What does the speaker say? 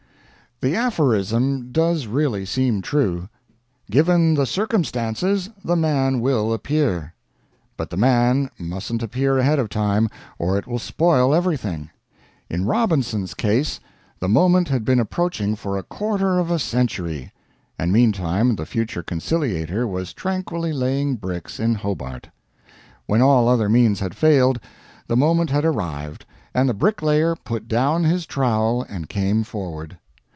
The aphorism does really seem true: "Given the Circumstances, the Man will appear." But the man musn't appear ahead of time, or it will spoil everything. In Robinson's case the Moment had been approaching for a quarter of a century and meantime the future Conciliator was tranquilly laying bricks in Hobart. When all other means had failed, the Moment had arrived, and the Bricklayer put down his trowel and came forward.